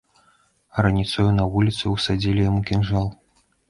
А раніцою, на вуліцы, усадзілі яму кінжал.